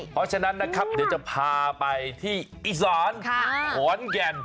เพราะฉะนั้นนะครับเดี๋ยวจะพาไปที่อีสานขอนแก่น